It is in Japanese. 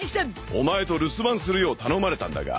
オマエと留守番するよう頼まれたんだが